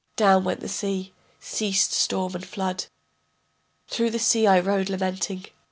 Down went the sea, ceased storm and flood. Through the sea I rode lamenting.